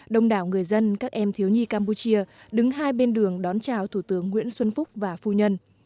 đông đảo người dân các em thiếu nhi campuchia đứng hai bên đường đón chào thủ tướng nguyễn xuân phúc và phu nhân